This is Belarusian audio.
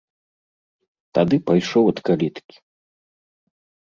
Тады пайшоў ад каліткі.